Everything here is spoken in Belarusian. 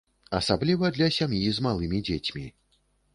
Асабліва для сям'і з малымі дзецьмі.